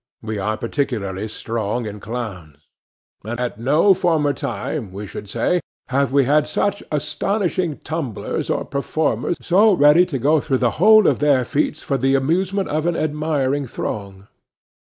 We are particularly strong in clowns. At no former time, we should say, have we had such astonishing tumblers, or performers so ready to go through the whole of their feats for the amusement of an admiring throng.